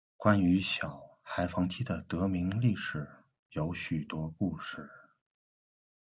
关于小孩堤防的得名历史有许多故事。